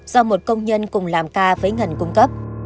do một công nhân cùng làm ca với ngân cung cấp